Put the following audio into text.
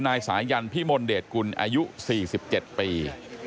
นายสายันพิมลเดชกุลอายุ๔๗ปี